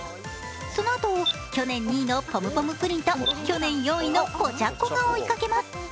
そのあとを去年２位のポムポムプリンと去年４位のポチャッコが追いかけます。